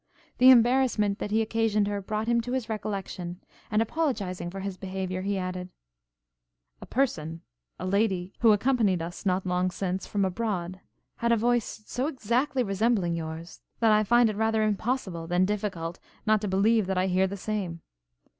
The embarrassment that he occasioned her brought him to his recollection, and, apologising for his behaviour, he added; 'A person a lady who accompanied us, not long since, from abroad, had a voice so exactly resembling yours that I find it rather impossible than difficult not to believe that I hear the same.